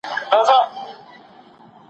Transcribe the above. زه به اوږده موده د درسونو يادونه کړې وم..